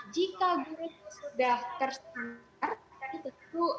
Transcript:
jika guru sudah tersesun maka itu